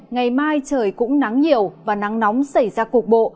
ngày mai trời cũng nắng nhiều và nắng nóng xảy ra cục bộ